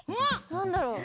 なんだろう？